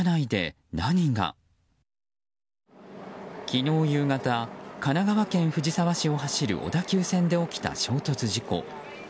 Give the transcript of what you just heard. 昨日夕方神奈川県藤沢市を走る小田急線で起きた衝突事故。